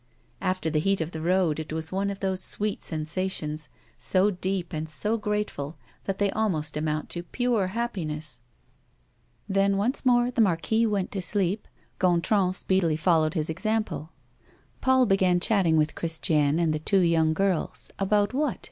After the heat of the road, it was one of those sweet sensations so deep and so grateful that they almost amount to pure happiness. Then once more the Marquis went to sleep; Gontran speedily followed his example. Paul began chatting with Christiane and the two young girls. About what?